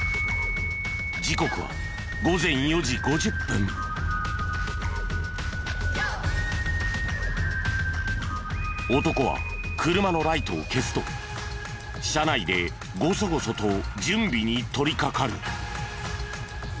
時刻は男は車のライトを消すと車内でゴソゴソと準備に取りかかる。